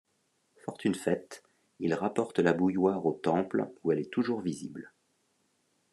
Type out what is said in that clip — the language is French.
Fortune faite, il rapporte la bouilloire au temple où elle est toujours visible.